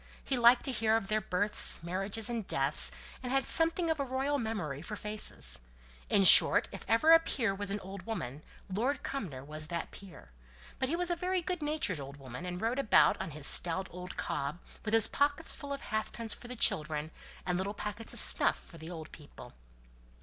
He liked to hear of their births, marriages, and deaths, and had something of a royal memory for faces. In short, if ever a peer was an old woman, Lord Cumnor was that peer; but he was a very good natured old woman, and rode about on his stout old cob with his pockets full of halfpence for the children, and little packets of snuff for the old people.